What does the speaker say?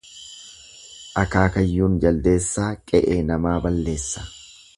Akaakayyuun jaldeessaa qe'ee namaa balleessa.